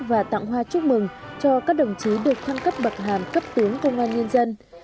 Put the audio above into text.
và tặng hoa chúc mừng cho các đồng chí được thăng cấp bậc hàm cấp tướng công an nhân dân